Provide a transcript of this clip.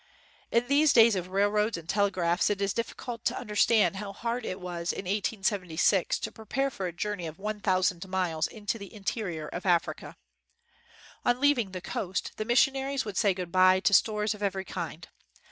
31 WHITE MAN OF WORK In these days of railroads and telegraphs, it is difficult to understand how hard it was in 1876 to prepare for a journey of one thousand miles into the interior of Africa. On leaving the coast, the missionaries would say good by to stores of every kind.